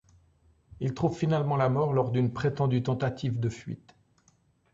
Il trouve finalement la mort lors d'une prétendue tentative de fuite.